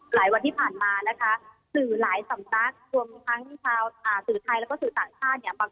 หลายวันที่ผ่านมานะคะสื่อหลายสำนักรวมทั้งชาวสื่อไทยแล้วก็สื่อต่างชาติเนี่ย